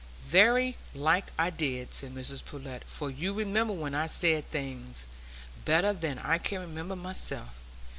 "Very like I did," said Mrs Pullet, "for you remember when I said things, better than I can remember myself.